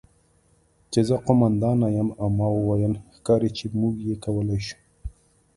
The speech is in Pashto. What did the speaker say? چې زه قوماندانه یم او ما وویل: 'ښکاري چې موږ یې کولی شو'.